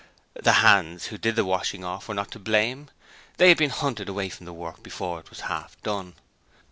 The 'hands' who did the 'washing off' were not to blame. They had been hunted away from the work before it was half done.